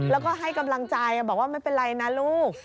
แล้วก็ให้กำลังใจบอกว่าไม่เป็นไรนะลูก